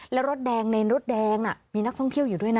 และรถแดงในรถแดงครับมีนักท่องเที่ยวอยู่อยู่ด้วยนะ